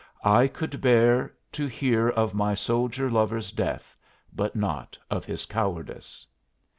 I could bear to hear of my soldier lover's death, but not of his cowardice."